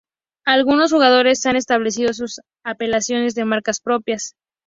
Algunos jugadores han establecido sus apelaciones de marcas propias.